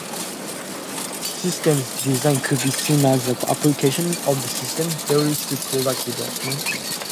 Systems design could be seen as the application of systems theory to product development.